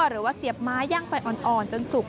หรือว่าเสียบไม้ยั่งไฟอ่อนจนถูก